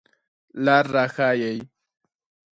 لار را ښایئ